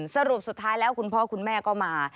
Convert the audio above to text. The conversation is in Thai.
สรุปสุดท้ายแล้วคุณพ่อคุณแม่ก็มา